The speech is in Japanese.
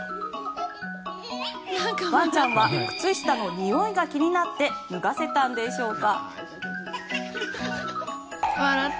ワンちゃんは靴下のにおいが気になって脱がせたのでしょうか。